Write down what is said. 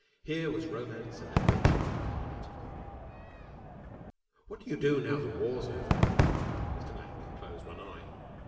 Here was romance and adventure incarnate. "What do you do now the war's over?" Mr. Blank closed one eye.